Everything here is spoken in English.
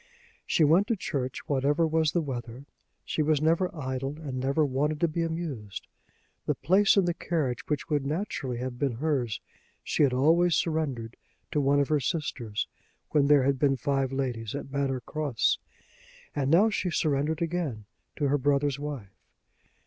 She went to church whatever was the weather. She was never idle and never wanted to be amused. The place in the carriage which would naturally have been hers she had always surrendered to one of her sisters when there had been five ladies at Manor Cross, and now she surrendered again to her brother's wife.